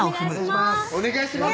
お願いします